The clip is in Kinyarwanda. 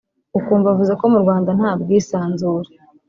ukumva avuze ko mu Rwanda nta bwisanzure